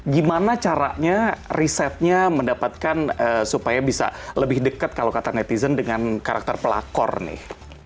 gimana caranya risetnya mendapatkan supaya bisa lebih dekat kalau kata netizen dengan karakter pelakor nih